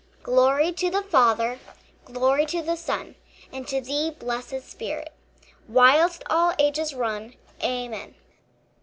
Glory to the Father, Glory to the Son, And to thee, blessed Spirit, Whilst all ages run. AMEN.